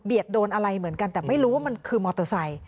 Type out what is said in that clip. โดนอะไรเหมือนกันแต่ไม่รู้ว่ามันคือมอเตอร์ไซค